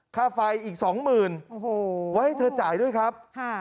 ค่าไฟอีก๒หมื่นว่าให้เธอจ่ายด้วยครับ